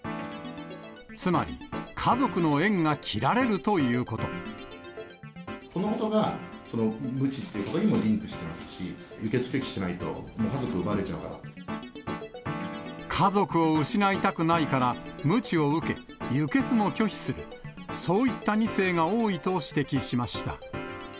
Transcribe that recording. つまり家族の縁が切られるとこのことが、むちということにもリンクしてますし、輸血拒否しないと、家族を失いたくないから、むちを受け、輸血も拒否する、そういった２世が多いと指摘しました。